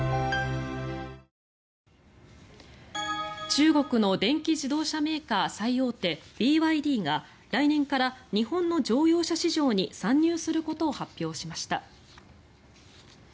中国の電気自動車メーカー最大手ＢＹＤが来年から日本の乗用車市場に参入することを発表しました。